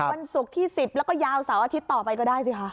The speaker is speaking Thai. วันศุกร์ที่๑๐แล้วก็ยาวเสาร์อาทิตย์ต่อไปก็ได้สิคะ